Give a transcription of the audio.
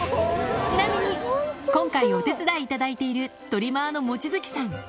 ちなみに、今回、お手伝いいただいているトリマーの望月さん。